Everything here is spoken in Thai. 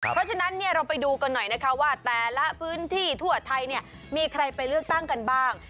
เพราะฉะนั้นเราไปดูกันหน่อยนะคะว่าแต่ละพื้นที่ทั่วไทยเนี่ยมีใครไปเลือกตั้งกันบ้าง